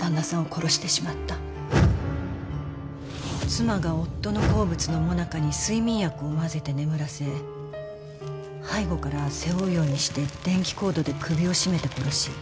妻が夫の好物のモナカに睡眠薬を混ぜて眠らせ背後から背負うようにして電気コードで首を絞めて殺し